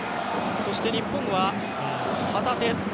そして日本は旗手。